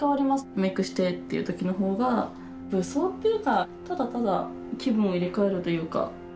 メークしてっていう時の方が武装っていうかただただ気分を入れ替えるというか。